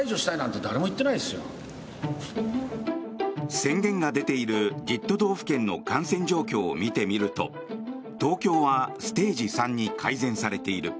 宣言が出ている１０都道府県の感染状況を見てみると東京はステージ３に改善されている。